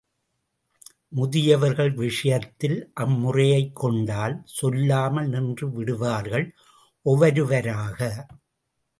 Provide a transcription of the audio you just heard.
முதியவர்கள் விஷயத்தில், அம்முறையைக் கொண்டால், சொல்லாமல் நின்று விடுவார்கள் ஒவ்வொருவராக.